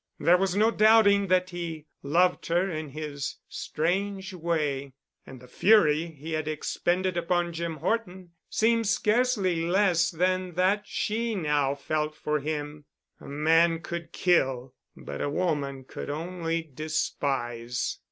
There was no doubting that he loved her in his strange way. And the fury he had expended upon Jim Horton seemed scarcely less than that she now felt for him. A man could kill—but a woman could only despise.